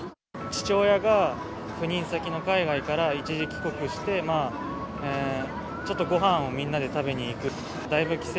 父親が赴任先の海外から一時帰国して、ちょっとごはんをみんなで食べに行く。